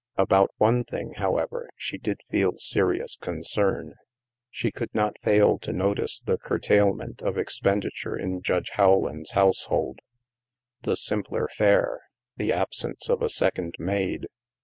About one thing, however, she did feel serious concern. She could not fail to notice the curtail ment of expenditure in Judge Rowland's household — the simpler fare, the absence of a second maid.